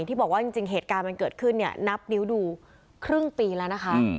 ที่บอกว่าจริงเหตุการณ์มันเกิดขึ้นเนี่ยนับนิ้วดูครึ่งปีแล้วนะคะ